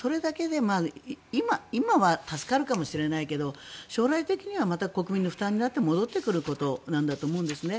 今は助かるかもしれないけど将来的にはまた国民の負担になって戻ってくることなんだと思うんですね。